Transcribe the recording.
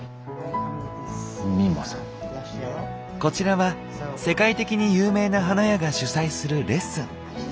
こちらは世界的に有名な花屋が主催するレッスン。